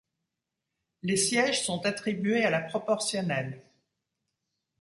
Les sièges sont attribués à la proportionnelle.